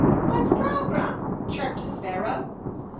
what's programme?" chirped a sparrow.